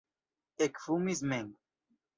Ekfumis mem.